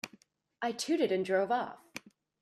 I tooted and drove off.